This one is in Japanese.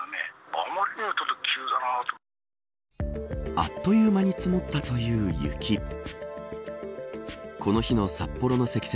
あっという間に積もったという雪。